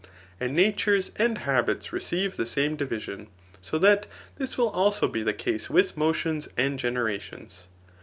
And natures and habits receive the same division ; so that this will also be the case with motions and generations.